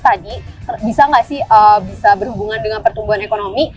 tadi bisa nggak sih bisa berhubungan dengan pertumbuhan ekonomi